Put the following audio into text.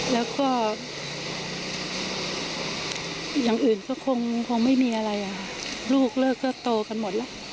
แล้วก็อย่างอื่นก็คงไม่มีอะไรลูกเลิกก็โตกันหมดแล้ว